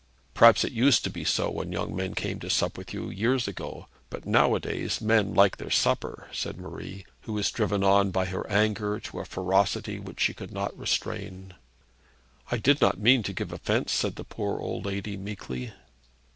'Perhaps it used to be so when young men came to sup with you, years ago; but nowadays men like their supper,' said Marie, who was driven on by her anger to a ferocity which she could not restrain. 'I did not mean to give offence,' said the poor old lady meekly.